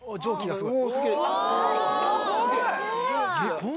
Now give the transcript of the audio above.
すごい！